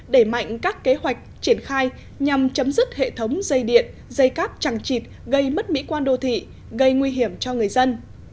đẩy mạnh các kế hoạch triển khai nhằm chấm dứt hệ thống dây điện dây cáp chẳng chịt gây mất mỹ quan đô thị gây nguy hiểm cho người dân